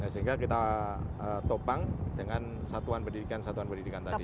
sehingga kita topang dengan satuan pendidikan satuan pendidikan tadi